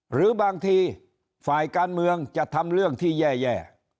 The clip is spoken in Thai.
หรือบางทีฝ่ายการเมืองจะทำเรื่องที่แย่